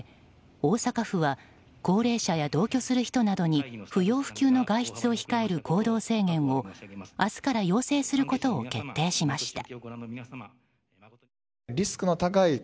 大阪府は高齢者や同居する人などに不要不急の外出を控える行動制限を明日から要請することを決定しました。